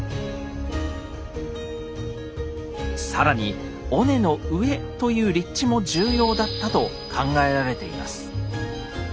更に尾根の上という立地も重要だったと考えられています。